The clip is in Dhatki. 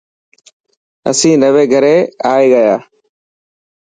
اسين نئوي گھري آئي گيا.